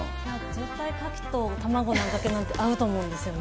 絶対カキと卵のあんかけなんて、合うと思うんですよね。